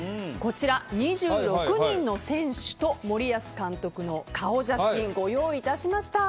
２６人の選手と森保監督の顔写真ご用意いたしました。